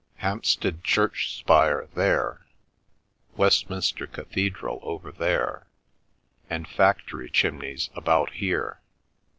Hampstead Church spire there, Westminster Cathedral over there, and factory chimneys about here.